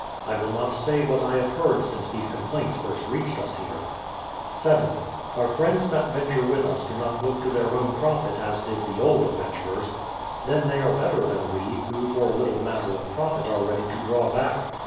I will not say what I have heard since these complaints first reached us here. 7. Our friends that venture with us do not look to their own profit, as did the old adventurers :— Then they are better than we, who for a little matter of profit are ready to draw back.